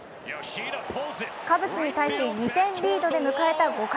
カブスに対し２点リードで迎えた５回。